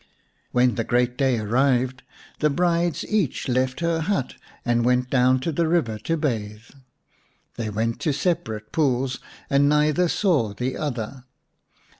When the great day arrived the brides each left her hut and went down to the river to bathe. They went to separate pools, and neither saw the other.